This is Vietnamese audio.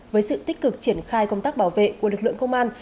với sự tích cực triển khai công tác bảo vệ của lực lượng công an